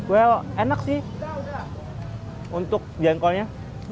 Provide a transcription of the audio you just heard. well enak sih untuk jengkolnya